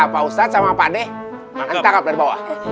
pak ustadz sama pak deh ditangkap dari bawah